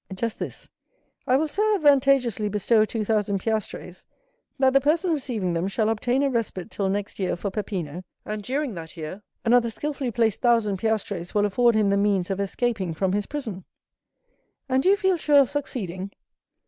"Just this. I will so advantageously bestow 2,000 piastres, that the person receiving them shall obtain a respite till next year for Peppino; and during that year, another skilfully placed 1,000 piastres will afford him the means of escaping from his prison." "And do you feel sure of succeeding?"